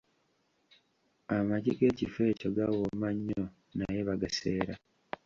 Amagi g'ekifo ekyo gawooma nnyo naye bagaseera.